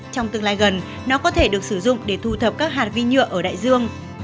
trong tương lai gần nó có thể được sử dụng để thu thập các hạt vi nhựa ở đại dương